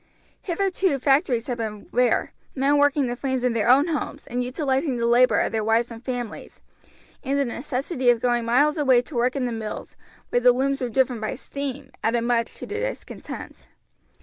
Hitherto factories had been rare, men working the frames in their own homes, and utilizing the labor of their wives and families, and the necessity of going miles away to work in the mills, where the looms were driven by steam, added much to the discontent.